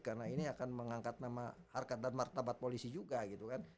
karena ini akan mengangkat nama harkat dan martabat polisi juga gitu kan